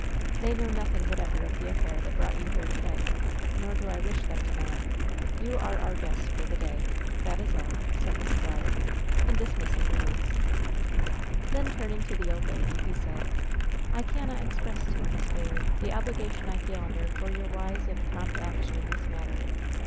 They know nothing whatever of the affair that brought you here to day; nor do I wish them to know it. You are our guests for the day. That is all," said the squire, in dismissing the youths. Then, turning to the old lady, he said: "I cannot express to you, Miss Bayard, the obligation I feel under for your wise and prompt action in this matter.